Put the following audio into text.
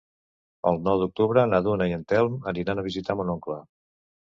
El nou d'octubre na Duna i en Telm aniran a visitar mon oncle.